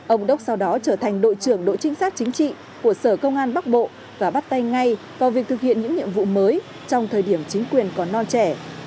ông đốc sau đó trở thành đội trưởng đội trinh sát chính trị của sở công an bắc bộ và bắt tay ngay vào việc thực hiện những nhiệm vụ mới trong thời điểm chính quyền còn non trẻ